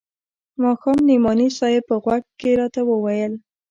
ماښام نعماني صاحب په غوږ کښې راته وويل.